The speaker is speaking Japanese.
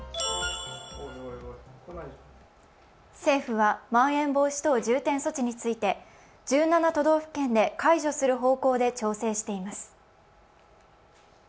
政府はまん延防止等重点措置について、１７都道府県で解除する方向で調整しています。